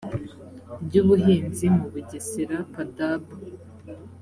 ry ubuhinzi mu bugesera padab